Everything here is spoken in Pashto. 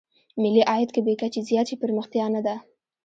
ملي عاید که بې کچې زیات شي پرمختیا نه ده.